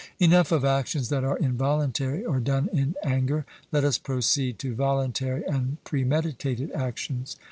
Enough of actions that are involuntary, or done in anger; let us proceed to voluntary and premeditated actions.